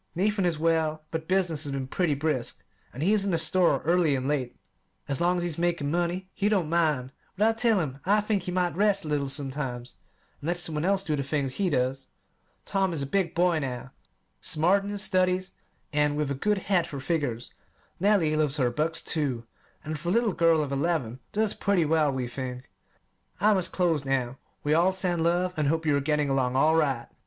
Nathan is well, but business has been pretty brisk, and he is in the store early and late. As long as he's making money, he don't mind; but I tell him I think he might rest a little sometimes, and let some one else do the things he does. Tom is a big boy now, smart in his studies and with a good head for figures. Nellie loves her books, too; and, for a little girl of eleven, does pretty well, we think. I must close now. We all send love, and hope you are getting along all right.